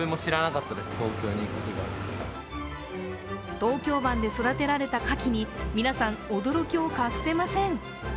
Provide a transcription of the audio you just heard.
東京湾で育てられたかきに皆さん、驚きを隠せません。